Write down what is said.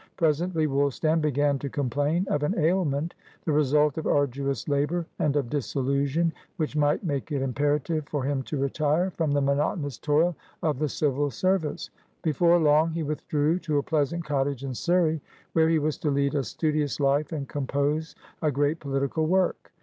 Presently Woolstan began to complain of an ailment, the result of arduous labour and of disillusion, which might make it imperative for him to retire from the monotonous toil of the Civil Service; before long, he withdrew to a pleasant cottage in Surrey, where he was to lead a studious life and compose a great political work.